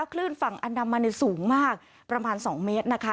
คลื่นฝั่งอันดามันสูงมากประมาณ๒เมตรนะคะ